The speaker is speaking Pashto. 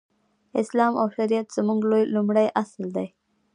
اسلام او شريعت زموږ لومړی اصل دی.